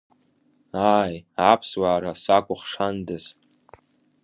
Ааи, Аԥсуара сакәыхшандаз!